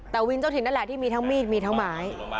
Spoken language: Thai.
แต่วินเจ้าถิ่นนั่นแหละที่มีทั้งมีดมีทั้งไม้